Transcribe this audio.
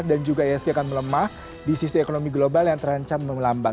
dan juga iasg akan melemah di sisi ekonomi global yang terancam dan melambat